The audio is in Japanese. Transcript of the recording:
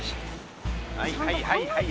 はいはいはいはい。